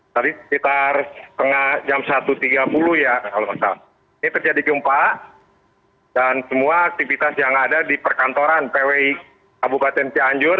tadi sekitar tengah jam satu tiga puluh ya ini terjadi gempa dan semua aktivitas yang ada di perkantoran pwi kabupaten ancian anjur